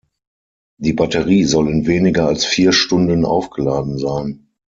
Die Batterie soll in weniger als vier Stunden aufgeladen sein.